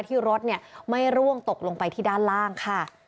ที่รถไม่ร่วงตกลงไปที่ด้านล่างค่ะ